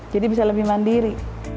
jadi bisa lebih mandiri